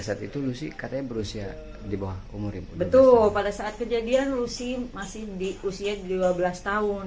saat itu lucy katanya berusia di bawah umur pada saat kejadian lucy masih di usia dua belas tahun